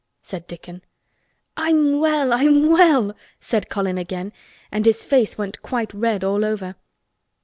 said Dickon. "I'm well! I'm well!" said Colin again, and his face went quite red all over.